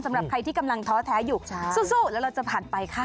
สำหรับใครที่กำลังท้อแท้อยู่สู้แล้วเราจะผ่านไปค่ะ